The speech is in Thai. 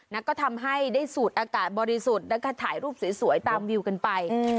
แล้วก็ทำให้ได้สูดอากาศบริสุทธิ์แล้วก็ถ่ายรูปสวยตามวิวกันไป